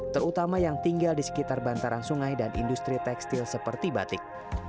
terutama yang tinggal di sekitar bantaran sungai dan industri tekstil seperti batik